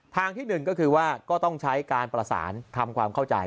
ทางที่๑ก็คือว่าก็ต้องใช้การประสานทำความเข้าใจ